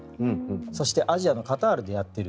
そしてアジアのカタールでやっている。